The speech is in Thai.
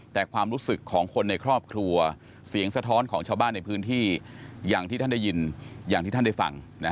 แต่ความรู้สึกของคนในครอบครัวเสียงสะท้อนของชาวบ้านในพื้นที่อย่างที่ท่านได้ยินอย่างที่ท่านได้ฟัง